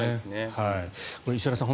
石原さん